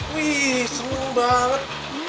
wih seneng banget